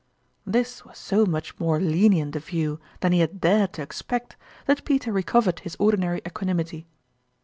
This was so much more lenient a view than he had dared to expect that Peter recovered his ordinary equanimity.